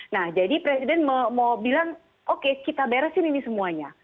nah jadi presiden mau bilang oke kita beresin ini semuanya